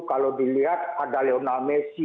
kalau dilihat ada lionel messi